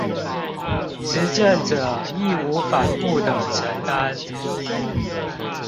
執政者義無反顧的承擔